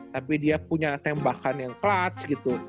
tapi dia punya tembakan yang clubs gitu